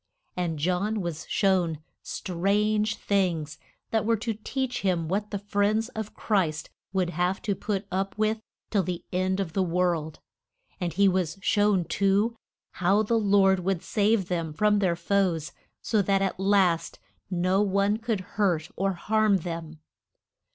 And John was shown strange things that were to teach him what the friends of Christ would have to put up with till the end of the world. And he was shown, too, how the Lord would save them from their foes, so that at last no one could hurt or harm them.